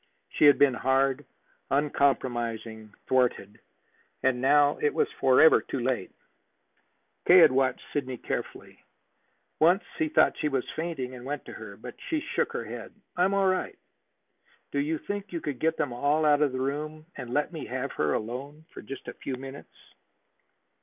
She had been hard, uncompromising, thwarted. And now it was forever too late. K. had watched Sidney carefully. Once he thought she was fainting, and went to her. But she shook her head. "I am all right. Do you think you could get them all out of the room and let me have her alone for just a few minutes?"